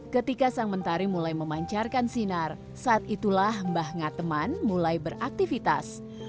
ketika sang mentari mulai memancarkan sinar saat itulah mbah ngateman mulai beraktivitas